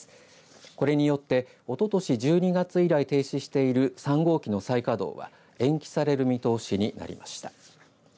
これによって、おととし１２月以来停止している３号機の再稼働は延期される見通しになりました。